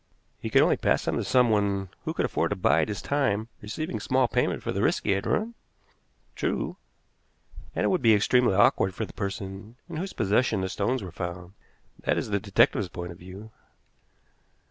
"He could only pass them to some one who could afford to bide his time, receiving small payment for the risk he had run?" "True." "And it would be extremely awkward for the person in whose possession the stones were found. That is the detective's point of view."